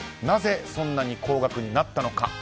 なぜそんなに高額になったのか？